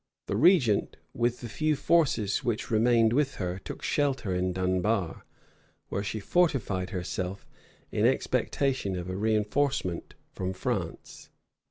The regent, with the few forces which remained with her, took shelter in Dunbar, where she fortified herself, in expectation of a reënforcement from France.